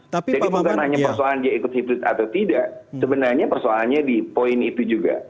jadi bukan hanya persoalan dia ikut hibrit atau tidak sebenarnya persoalannya di poin itu juga